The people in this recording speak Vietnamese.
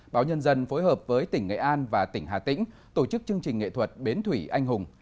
báo nhân dân phối hợp với tỉnh nghệ an và tỉnh hà tĩnh tổ chức chương trình nghệ thuật bến thủy anh hùng